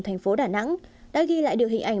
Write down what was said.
thành phố đà nẵng đã ghi lại được hình ảnh